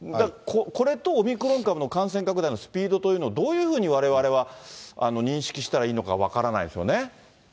これとオミクロン株の感染拡大のスピードというのをどういうふうにわれわれは認識したらいいのか分からないですよね。